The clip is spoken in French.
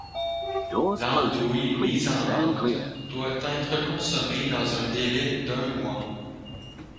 L'andouille mise en vente doit être consommée dans un délai d'un mois.